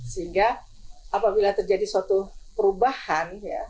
sehingga apabila terjadi suatu perubahan